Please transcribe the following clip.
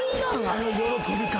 あの喜び方。